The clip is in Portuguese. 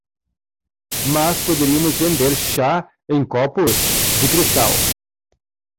Mas poderíamos vender chá em copos de cristal.